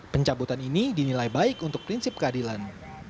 pencabutan ini dinilai baik untuk prinsip keadilan